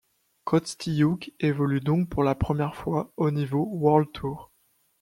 Kostyuk évolue donc pour la première fois au niveau World Tour.